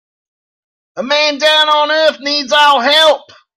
A man down on earth needs our help.